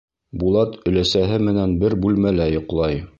Булат өләсәһе менән бер бүлмәлә йоҡлай.